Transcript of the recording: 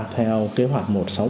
theo kế hoạch một trăm sáu mươi bảy